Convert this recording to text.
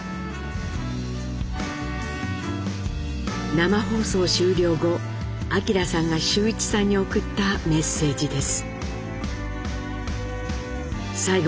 生放送終了後明さんが修一さんに送ったメッセージです。